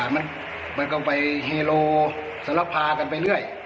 มันก็ไปเฮโลสารพากันไปเรื่อย